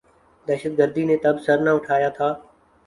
دہشت گردی نے تب سر نہ اٹھایا تھا۔